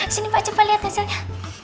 sini mbak coba liat hasilnya